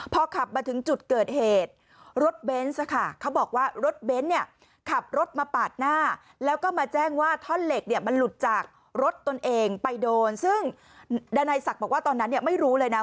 ไปโดนซึ่งดาไดศักดิ์บอกว่าตอนนั้นไม่รู้เลยนะ